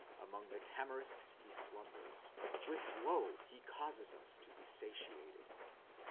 Among the tamarisks he slumbers, with woe he causes us to be satiated.